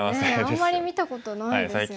あんまり見たことないですよね。